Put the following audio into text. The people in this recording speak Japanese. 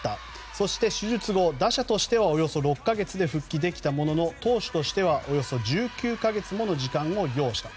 そして手術後、打者としてはおよそ６か月で復帰できたものの投手としてはおよそ１９か月もの時間を要したと。